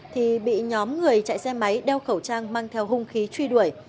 thì bị nhóm người chạy xe máy đeo khẩu trang mang theo hung khí truy đuổi